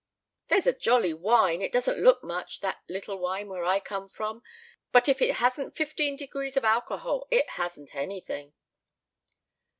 "There's a jolly wine it doesn't look much, that little wine where I come from; but if it hasn't fifteen degrees of alcohol it hasn't anything!"